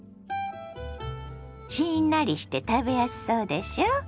しんなりして食べやすそうでしょ。